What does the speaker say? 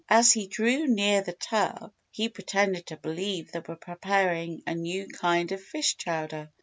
As he drew near the tub he pretended to believe they were preparing a new kind of fish chowder.